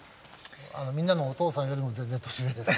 みんなのお父さんよりも全然年上です。